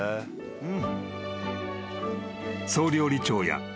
うん？